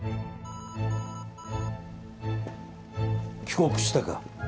帰国したか？